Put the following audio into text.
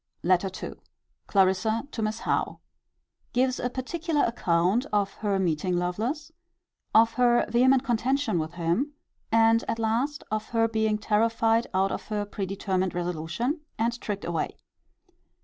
LETTER II. Clarissa to Miss Howe. Gives a particular account of her meeting Lovelace; of her vehement contention with him; and, at last, of her being terrified out of her predetermined resolution, and tricked away.